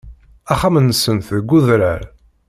Axxam-nsent deg udrar.